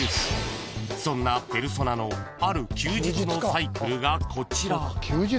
［そんなペルソナのある休日のサイクルがこちら］